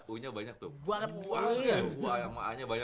u nya banyak